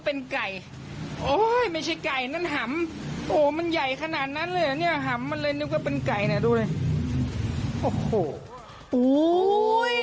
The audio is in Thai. โอ้มันใหญ่ขนาดนั้นเลยนะเนี่ยค่ะมันเลยนึกว่าเป็นไก่นะดูเลย